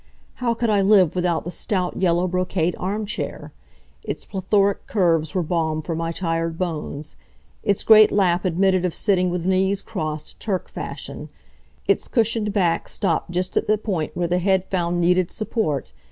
How could I live without the stout yellow brocade armchair! Its plethoric curves were balm for my tired bones. Its great lap admitted of sitting with knees crossed, Turk fashion. Its cushioned back stopped just at the point where the head found needed support.